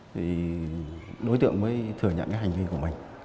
thì đối tượng mới thừa nhận cái hành vi của mình